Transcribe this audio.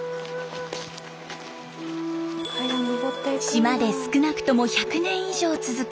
島で少なくとも１００年以上続く